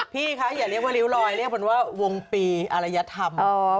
พี่คะอย่าเรียกว่าริ้วรอยเรียกเป็นว่าวงปีอรยธรรม